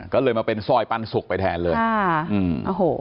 ก็เลยมาเป็นซอยปั่นศุกรไปแทนเลยอ้าโห